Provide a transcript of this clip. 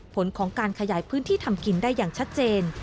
ผลของการขยายพื้นที่ทำกินได้อย่างชัดเจน